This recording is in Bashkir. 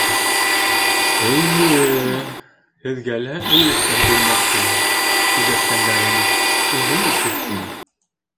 Эй- йе-е-е... һеҙгә лә өй эштәп бирмәкселәр, һөйҙәшкәндәрен үҙем ишеттем.